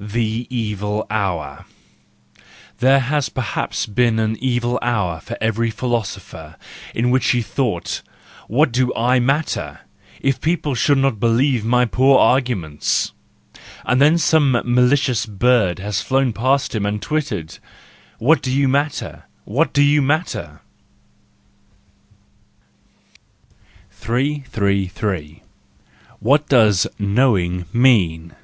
The Evil Hour. —There has perhaps been an evil hour for every philosopher, in which he thought: What do I matter, if people should not believe my poor arguments!—And then some malicious bird has flown past him and twittered :" What do you matter ? What do you matter ?" SANCTUS JANUARIUS 257 333 What does Knowing Mean ?